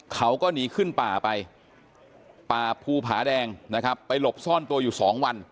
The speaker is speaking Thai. เขาก็หนีขึ้นป่าไปป่าภูผาแดงนะครับไปหลบซ่อนตัวอยู่สองวัน